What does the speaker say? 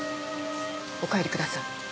お帰りください。